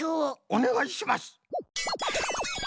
おねがいします！